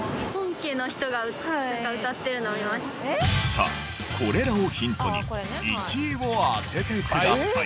さあこれらをヒントに１位を当ててください。